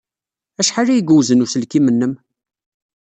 Acḥal ay yewzen uselkim-nnem?